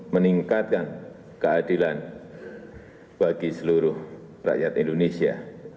meningkatkan keadilan bagi seluruh rakyat indonesia